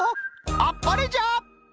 あっぱれじゃ！